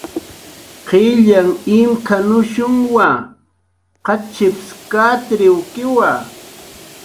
"Qillyanh imk""anushunwa, qachips katk""ipanqa"